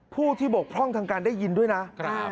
ผู้ที่บกพร่องทางการได้ยินด้วยนะ